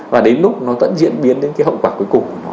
và đến lúc nó vẫn diễn biến đến cái hậu quả cuối cùng